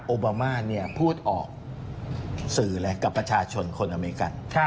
โอบามาพูดออกสื่อเลยกับประชาชนคนอเมริกัน